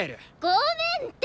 ごめんって！